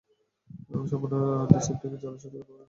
ও সামান্য অ্যান্টিসেপটিকের জ্বালাও সহ্য করতে পারে না।